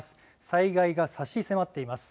災害が差し迫っています。